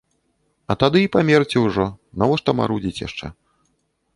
А тады й памерці ўжо, навошта марудзіць яшчэ.